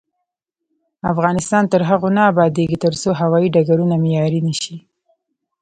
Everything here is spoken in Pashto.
افغانستان تر هغو نه ابادیږي، ترڅو هوايي ډګرونه معیاري نشي.